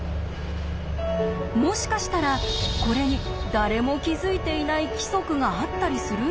もしかしたらこれに誰も気付いていない規則があったりするんでしょうか？